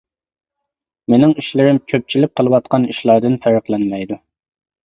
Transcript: مېنىڭ ئىشلىرىم كۆپچىلىك قىلىۋاتقان ئىشلاردىن پەرقلەنمەيدۇ.